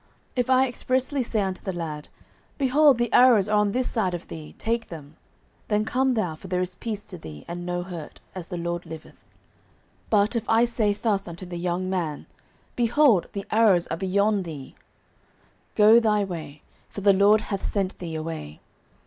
If I expressly say unto the lad, Behold, the arrows are on this side of thee, take them; then come thou: for there is peace to thee, and no hurt; as the LORD liveth. 09:020:022 But if I say thus unto the young man, Behold, the arrows are beyond thee; go thy way: for the LORD hath sent thee away.